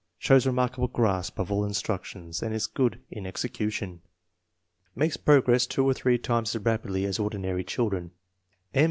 Shows re markable grasp of all instruction and is good in execu tion. Makes progress two or three times as rapidly as ordinary children. " M.